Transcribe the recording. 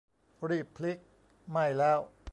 รีบพลิก ไหม้แล้ว